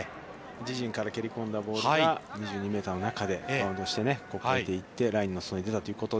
自陣から蹴り込んだボールが２２メートルの中でバウンドして、こぼれていってラインの外に出たということで。